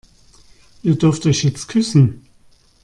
Ihr dürft euch jetzt küssen.